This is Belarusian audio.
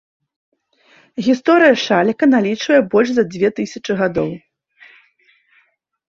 Гісторыя шаліка, налічвае больш за дзве тысячы гадоў.